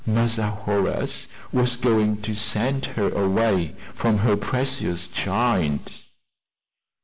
"Massa Horace was going to send her away from her precious child."